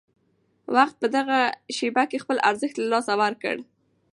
وخت په دغه شېبه کې خپل ارزښت له لاسه ورکړ.